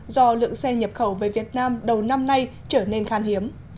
do lượng xe nhập khẩu về việt nam đầu năm nay trở nên khan hiếm